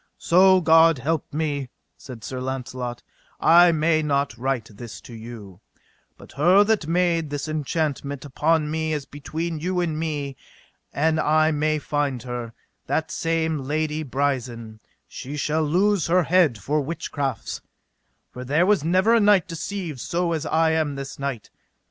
So God me help, said Sir Launcelot, I may not wite this to you; but her that made this enchantment upon me as between you and me, an I may find her, that same Lady Brisen, she shall lose her head for witchcrafts, for there was never knight deceived so as I am this night.